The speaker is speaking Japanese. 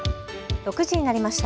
６時になりました。